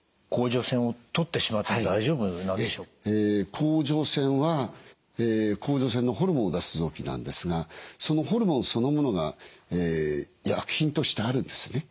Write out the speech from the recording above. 甲状腺は甲状腺のホルモンを出す臓器なんですがそのホルモンそのものが薬品としてあるんですね。